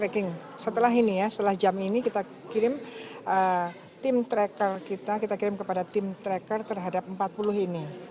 kita kirim kepada tim tracker terhadap empat puluh ini